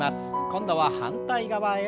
今度は反対側へ。